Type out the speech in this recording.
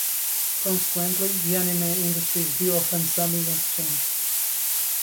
Consequently, the anime industry's view of fansubbing has changed.